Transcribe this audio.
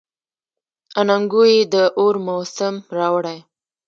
اننګو یې د اور موسم راوړی.